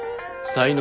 才能？